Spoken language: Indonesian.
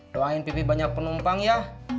doain pipi banyak penumpang ya